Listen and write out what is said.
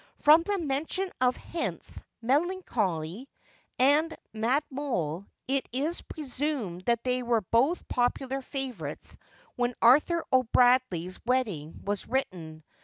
From the mention of Hence, Melancholy, and Mad Moll, it is presumed that they were both popular favourites when Arthur O'Bradley's Wedding was written.